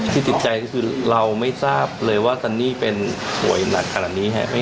ติดใจก็คือเราไม่ทราบเลยว่าซันนี่เป็นป่วยหนักขนาดนี้ครับ